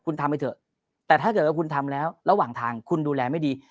คุณทำไปเถอะแต่ถ้าเกิดว่าคุณทำแล้วระหว่างทางคุณดูแลไม่ดี